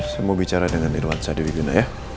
semua bicara dengan irwansyah di wibunapa ya